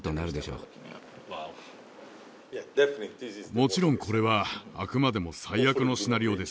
もちろんこれはあくまでも最悪のシナリオです。